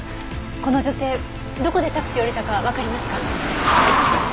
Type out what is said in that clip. この女性どこでタクシーを降りたかわかりますか？